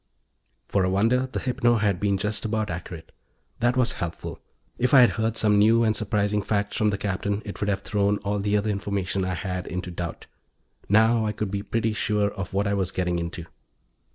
For a wonder, the hypno had been just about accurate. That was helpful; if I'd heard some new and surprising facts from the Captain it would have thrown all the other information I had into doubt. Now I could be pretty sure of what I was getting into.